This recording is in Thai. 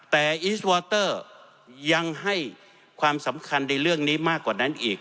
แต่อีสวอเตอร์ยังให้ความสำคัญในเรื่องนี้มากกว่านั้นอีก